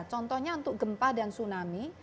contohnya untuk gempa dan tsunami